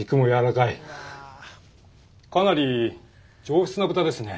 かなり上質な豚ですね。